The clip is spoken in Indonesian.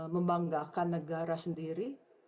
membanggakan negara sendiri